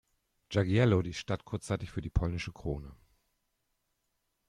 Jagiełło die Stadt kurzzeitig für die polnische Krone.